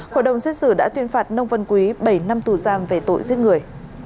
hội đồng xét xử đã tuyên phạt nông văn quý bảy năm tù giam về tội giết người